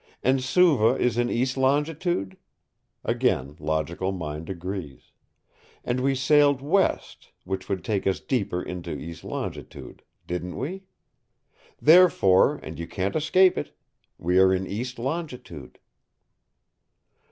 "And Suva is in east longitude?" Again logical mind agrees. "And we sailed west (which would take us deeper into east longitude), didn't we? Therefore, and you can't escape it, we are in east longitude."